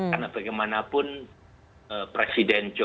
karena bagaimanapun presiden jokowi